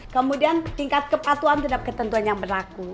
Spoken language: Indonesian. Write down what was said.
kemudian tingkat kepatuan dan ketentuan yang berlaku